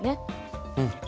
うん。